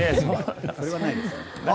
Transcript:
それはないですか。